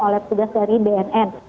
oleh tugas dari bnn